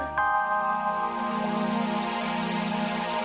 tentang ibu ibu tidak suka kalau saya kerja gali kubur